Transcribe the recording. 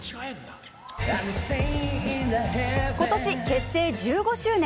今年、結成１５周年。